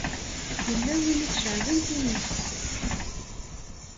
Yella win i iceɛlen times.